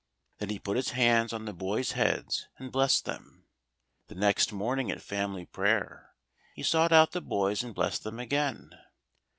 Then he put his hands on the boys' heads and blessed them. The next morning at family prayer he sought out the boys and blessed them again.